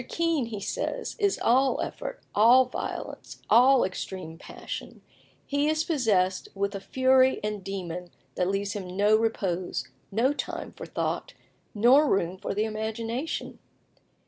Kean," he says, "is all effort, all violence, all extreme passion; he is possessed with a fury and demon that leaves him no repose, no time for thought, nor room for imagination.